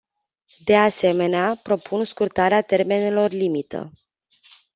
De asemenea, propun scurtarea termenelor limită.